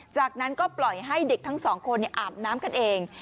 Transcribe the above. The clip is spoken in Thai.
จากนั้นก็ปล่อยให้เด็กทั้งสองคนอาบน้ำกันเอง